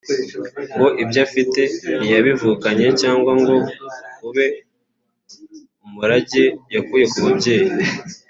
ngo ibyo afite ntiyabivukanye cyangwa ngo ube umurage yakuye ku babyeyi